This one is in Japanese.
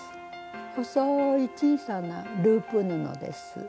細い小さなループ布です。